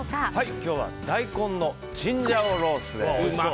今日は大根のチンジャオロースーです。